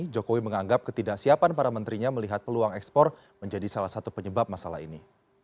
jokowi menganggap ketidaksiapan para menterinya melihat peluang ekspor menjadi salah satu penyebab masalah ini